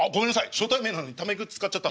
初対面なのにため口使っちゃった。